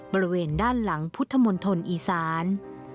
บริเวณด้านหลังพุทธมณฑลอีสาน